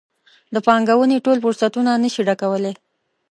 د پانګونې ټول فرصتونه نه شي ډکولی.